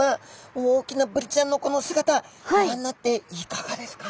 大きなブリちゃんのこの姿ご覧になっていかがですか？